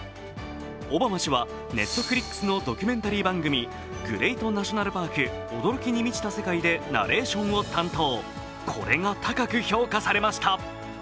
オバマ氏はＮｅｔｆｌｉｘのドキュメンタリー番組「グレイト・ナショナルパーク：驚きに満ちた世界」でナレーションを担当。